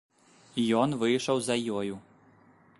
Ён выйшаў за ёю.